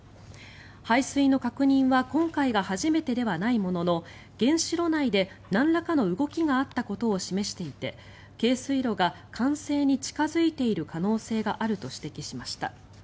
排水の確認は今回が初めてではないものの原子炉内でなんらかの動きがあったことを示していて軽水炉が完成に近付いている可能性があると指摘しました。